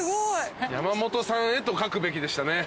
「山本さんへ」と書くべきでしたね。